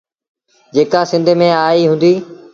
جيڪآ سنڌ ميݩ آئيٚ هُݩدي۔